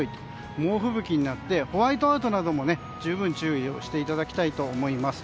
猛吹雪になってホワイトアウトなども十分に注意をしていただきたいと思います。